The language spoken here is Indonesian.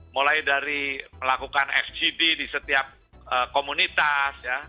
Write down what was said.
mulai dari melakukan fgd di setiap komunitas